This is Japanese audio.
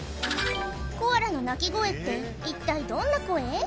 コアラの鳴き声って一体どんな声？